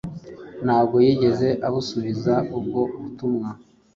ntabwo yigeze abusubiza ubwo butumwa